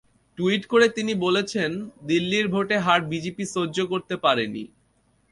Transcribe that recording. Tweet করে তিনি বলেছেন, দিল্লির ভোটে হার বিজেপি সহ্য করতে পারেনি।